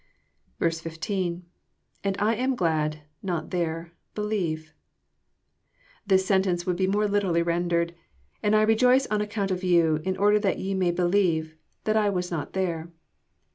15. — lAnd lam glad...not there.„believe,'] This sentence would be more literally rendered, And I rejoice on account of you, in order that ye may believe, that I was not there."